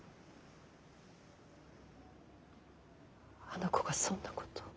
あの子がそんなことを。